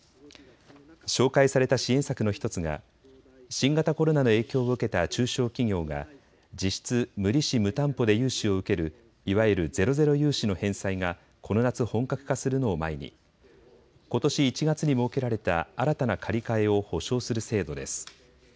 紹介された支援策の１つが新型コロナの影響を受けた中小企業が実質、無利子・無担保で融資を受けるいわゆるゼロゼロ融資の返済がこの夏、本格化するのを前にことし１月に設けられた新たな借り換えを保証する制度です。